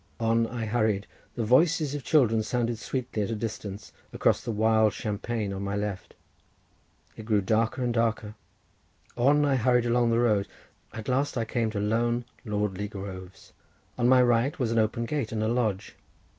On I hurried. The voices of children sounded sweetly at a distance across the wild champaign on my left. It grew darker and darker. On I hurried along the road; at last I came to lone, lordly groves. On my right was an open gate and a lodge.